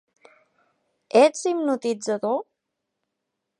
Ets hipnotitzador?